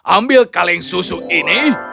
ambil kaleng susu ini